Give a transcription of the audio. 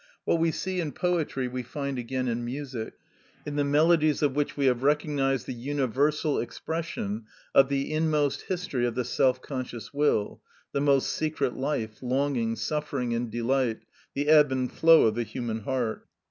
What we see in poetry we find again in music; in the melodies of which we have recognised the universal expression of the inmost history of the self conscious will, the most secret life, longing, suffering, and delight; the ebb and flow of the human heart.